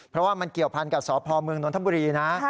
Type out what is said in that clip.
เพราะว่ามันเกี่ยวพันกับสพเมืองนทบุรีนะ